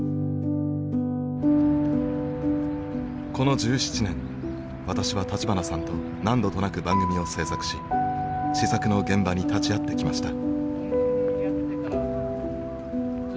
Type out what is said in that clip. この１７年私は立花さんと何度となく番組を制作し思索の現場に立ち会ってきました。